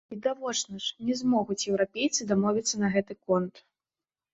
Відавочна ж, не змогуць еўрапейцы дамовіцца на гэты конт.